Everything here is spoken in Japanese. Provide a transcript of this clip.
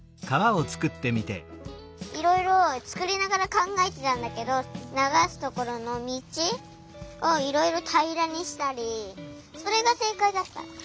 いろいろつくりながらかんがえてたんだけどながすところのみちをいろいろたいらにしたりそれがせいかいだった。